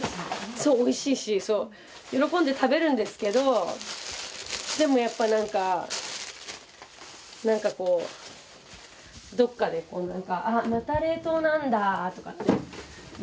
そうおいしいしそう喜んで食べるんですけどでもやっぱなんかなんかこうどっかでこうなんか「あまた冷凍なんだ」とかって言ってる自分が。